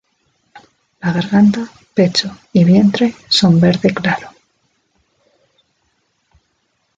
La garganta, pecho y vientre son verde claro.